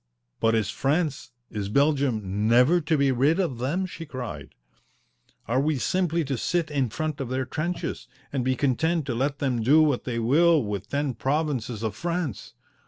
"But is France, is Belgium, never to be rid of them?" she cried. "Are we simply to sit in front of their trenches and be content to let them do what they will with ten provinces of France?